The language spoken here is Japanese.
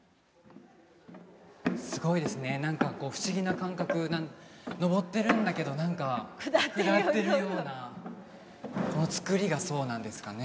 すごいですね何かこう不思議な感覚上ってるんだけど何か下ってるよう下ってるようなこの造りがそうなんですかね